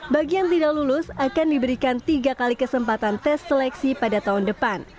bagi yang tidak lulus akan diberikan tiga kali kesempatan tes seleksi pada tahun depan